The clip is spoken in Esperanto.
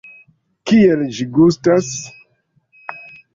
Kiel ĝi gustas?